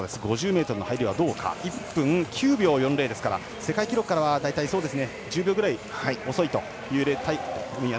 ５０ｍの入りは１分９秒４０ですから世界記録からは１０秒ぐらい遅いというタイム。